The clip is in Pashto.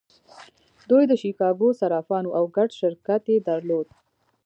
دوی د شیکاګو صرافان وو او ګډ شرکت یې درلود